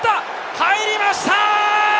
入りました！